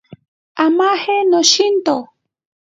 Amaje noshinto.